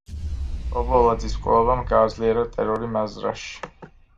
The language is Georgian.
ობოლაძის მკვლელობამ გააძლიერა ტერორი მაზრაში.